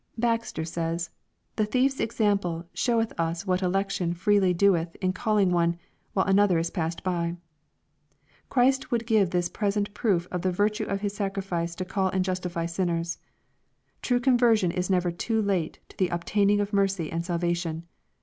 Baxter says, " The thiefs example showeth us what election freely doeth in calling one, while another is passed by. Christ would give this present proof of the virtue of His sacrifice to call and justify sinners. True conversion is never too late to the ob taining of mercy and salvation.